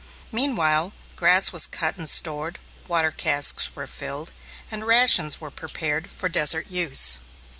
Meanwhile, grass was cut and stored, water casks were filled, and rations were prepared for desert use.